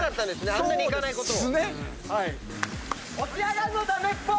あんなに行かないことを。